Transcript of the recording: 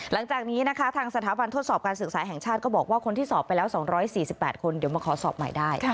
หลังจากนี้นะคะทางสถาบันทดสอบการศึกษาแห่งชาติก็บอกว่าคนที่สอบไปแล้ว๒๔๘คนเดี๋ยวมาขอสอบใหม่ได้